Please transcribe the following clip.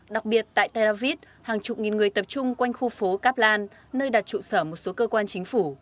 đặc biệt tại tel aviv hàng chục nghìn người tập trung quanh khu phố kaplan nơi đặt trụ sở một số cơ quan chính phủ